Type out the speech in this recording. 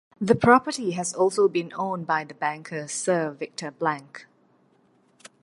The property has also been owned by the banker Sir Victor Blank.